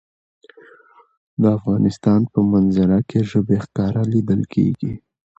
د افغانستان په منظره کې ژبې ښکاره لیدل کېږي.